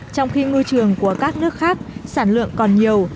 trong khi ngư trường của các nước khác sản lượng còn nhiều